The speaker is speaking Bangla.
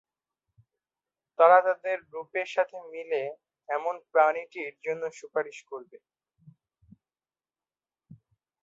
তারা তাদের রূপের সাথে মিলে এমন প্রাণীটির জন্য সুপারিশ করবে।